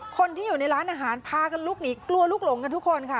คนที่อยู่ในร้านอาหารพากันลุกหนีกลัวลูกหลงกันทุกคนค่ะ